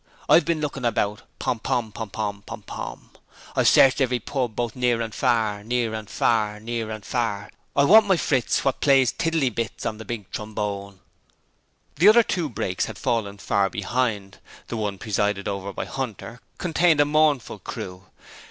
I've been lookin' about, Pom Pom, Pom, Pom, Pom! 'I've searched every pub, both near and far, Near and far, near and far, I want my Fritz, What plays tiddley bits On the big trombone!' The other two brakes had fallen far behind. The one presided over by Hunter contained a mournful crew.